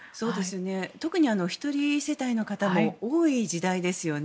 特に１人世帯の方も多い時代ですよね。